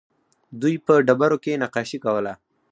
دوی په ډبرو کې نقاشي کوله